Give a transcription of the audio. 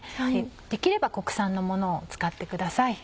できれば国産のものを使ってください。